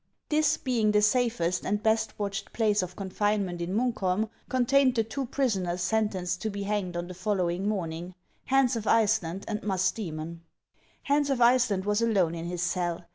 This, being the safest and best watched place of confinement in Muukholm, con tained the two prisoners sentenced to be hanged on the following morning, Hans of Iceland and Musdoemou. Hans of Iceland was alone in his cell.